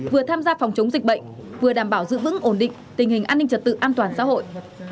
vừa tham gia phòng chống dịch bệnh vừa đảm bảo giữ vững ổn định tình hình an ninh trật tự an toàn xã hội